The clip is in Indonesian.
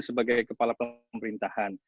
sebagai kepala pemerintahan